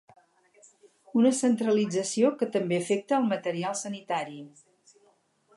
Una centralització que també afecta el material sanitari.